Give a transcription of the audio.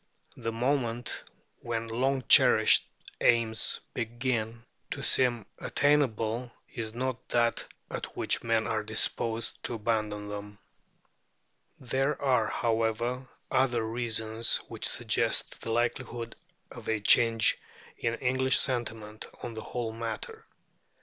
The moment when long cherished aims begin to seem attainable is not that at which men are disposed to abandon them. There are, however, other reasons which suggest the likelihood of a change in English sentiment on the whole matter.